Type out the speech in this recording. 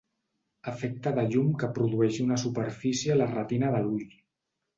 Efecte de llum que produeix una superfície a la retina de l'ull.